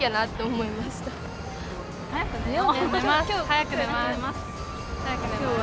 早く寝ます。